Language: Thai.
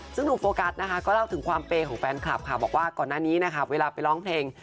ซึ่งหนุ่มโฟกัสนะคะก็เล่าถึงความเปย์ของแฟนคลับค่ะบอกว่าก่อนหน้านี้นะคะเวลาไปร้องเพลง